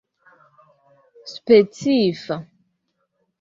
specifa